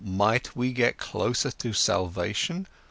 Might we get closer to salvation?